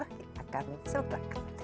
kita akan serta merta